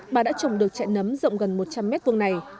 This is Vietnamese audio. bà đã trồng được chạy nấm rộng gần một trăm linh mét vương này